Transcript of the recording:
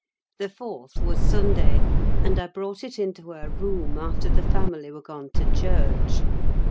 The fourth was Sunday, and I brought it into her room after the family were gone to church.